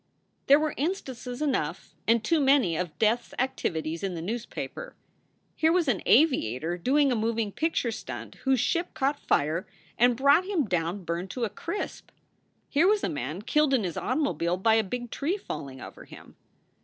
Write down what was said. There were instances enough and too many of death s activities in the newspaper. Here was an aviator doing a moving picture stunt whose ship caught fire and brought him down burned to a crisp. Here was a man killed in his automobile by a big tree falling over him.